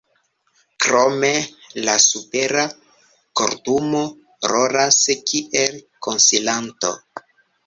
Krome la Supera Kortumo rolas kiel konsilanto.